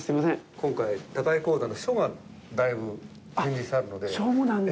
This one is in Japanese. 今回、高井鴻山の書がだいぶ展示してあるので。